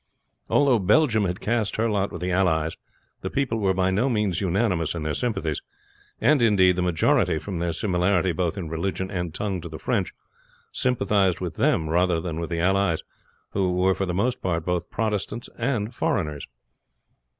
Although Belgium had cast in her lot with the allies the people were by no means unanimous in their sympathies; and, indeed, the majority, from their similarity both in religion and tongue to the French, sympathized with them rather than with the allies, who were for the most part both Protestant and foreigners.